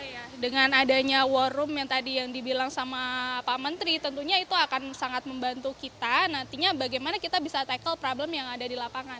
iya dengan adanya war room yang tadi yang dibilang sama pak menteri tentunya itu akan sangat membantu kita nantinya bagaimana kita bisa tackle problem yang ada di lapangan